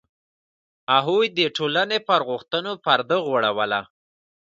هغوی د ټولنې پر غوښتنو پرده غوړوله.